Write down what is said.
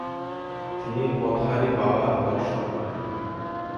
তিনি পওহারী বাবার দর্শন করেন।